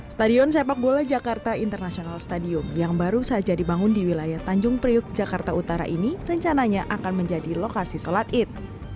stadion sepak bola jakarta international stadium yang baru saja dibangun di wilayah tanjung priuk jakarta utara ini rencananya akan menjadi lokasi sholat id